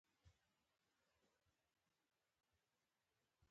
د باران څاڅکي د قدرت ښکلا څرګندوي.